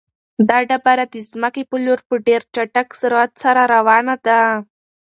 دا ډبره د ځمکې په لور په ډېر چټک سرعت سره روانه ده.